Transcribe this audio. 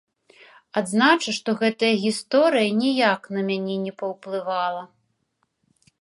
Адзначу, што гэтая гісторыя ніяк на мяне не паўплывала.